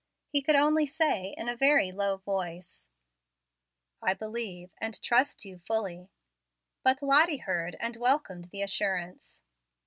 He could only say in a very low voice, "I believe and trust you fully." But Lottie heard and welcomed the assurance.